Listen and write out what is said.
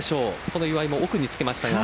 この岩井も奥につけましたが。